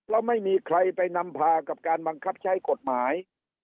แล้วไม่มีใครไปนำพากับการบังคับใช้กฎหมาย